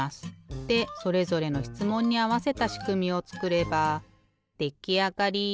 でそれぞれのしつもんにあわせたしくみをつくればできあがり！